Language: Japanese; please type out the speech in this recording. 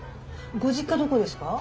ご実家どこですか？